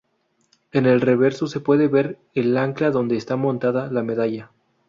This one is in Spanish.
En el reverso se puede ver el ancla donde está montada la medalla.